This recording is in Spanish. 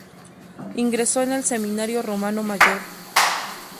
Ingresó en el Seminario Romano Mayor.